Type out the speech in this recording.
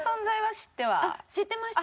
知ってました。